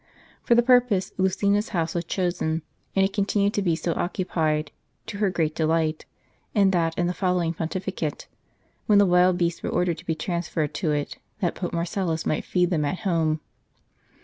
For this purpose Lucina's house was chosen ; and it continued to be so occupied, to her great delight, in that and the follow ing pontificate, when the wild beasts were ordered to be trans ferred to it, that Pope Marcellus might feed them at home.